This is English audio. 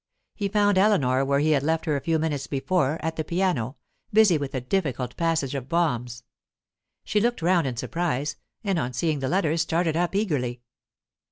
He found Eleanor where he had left her a few minutes before, at the piano, busy with a difficult passage of Brahms. She looked round in surprise, and on seeing the letters started up eagerly.